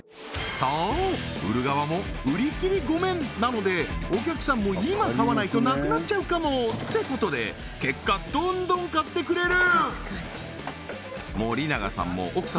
そう売る側も売りきり御免なのでお客さんも今買わないとなくなっちゃうかも！ってことで結果どんどん買ってくれる！